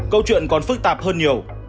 câu chuyện còn phức tạp hơn nhiều